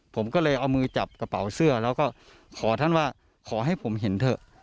ผมก็เลยเอามือจับกระเป๋าเสื้อแล้วก็ขอท่านว่าขอให้ผมเห็นเถอะ